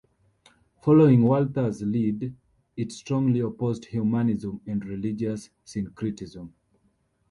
Following Walther's lead, it strongly opposed humanism and religious syncretism.